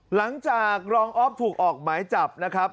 หลังจากรองออฟถูกออกหมายจับนะครับ